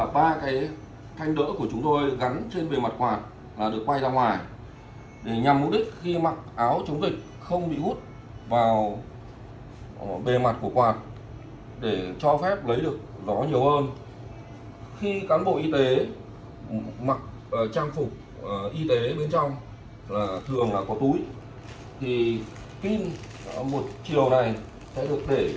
pin một chiều này sẽ được để bên trong của túi áo